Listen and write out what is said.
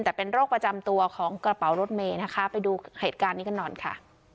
แต่เป็นโรคประจำตัวของกระเป๋ารถเมย์นะคะไปดูเหตุการณ์นี้กันหน่อยค่ะ